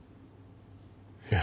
いや。